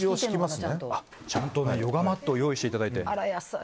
ちゃんとヨガマットを用意していただいて。